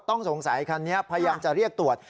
ต้องสงสัยคันนี้พยายามจะเรียกตรวจ